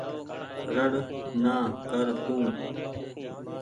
ۯڙ نآ ڪر تو۔